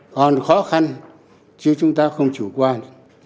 còn khó khăn chứ chúng ta không chủ quan